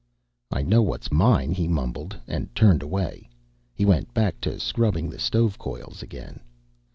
"I know what's mine," he mumbled, and turned away. He went back to scrubbing the stove coils again.